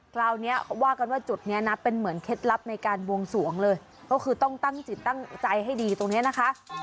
คราวนี้เขาว่ากันว่าจุดนี้นะเป็นเหมือนเคล็ดลับในการบวงสวงเลยก็คือต้องตั้งจิตตั้งใจให้ดีตรงนี้นะคะ